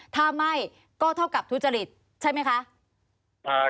ถ้าไม่ก็เท่ากับทุจริตใช่ไหมคะ